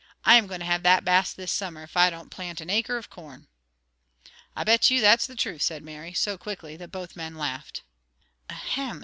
I am going to have that Bass this summer, if I don't plant an acre of corn." "I bet you that's the truth!" said Mary, so quickly that both men laughed. "Ahem!"